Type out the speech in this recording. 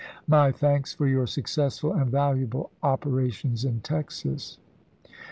My thanks for your successful and valuable opera tions in Texas.